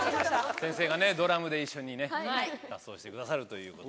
先生がね、ドラムで一緒にね、合奏してくださるという。